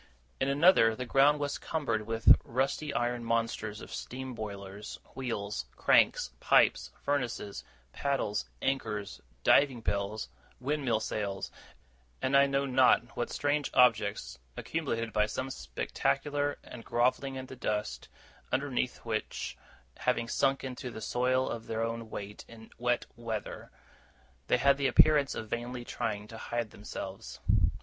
In another, the ground was cumbered with rusty iron monsters of steam boilers, wheels, cranks, pipes, furnaces, paddles, anchors, diving bells, windmill sails, and I know not what strange objects, accumulated by some speculator, and grovelling in the dust, underneath which having sunk into the soil of their own weight in wet weather they had the appearance of vainly trying to hide themselves.